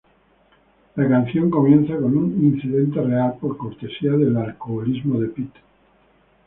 La canción comienza con un incidente real, por cortesía del alcoholismo de Pete.